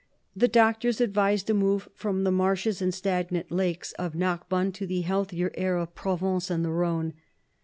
The doctors advised a move from the marshes and stagnant lakes of Narbonne to the healthier air of Provence and the Rhone.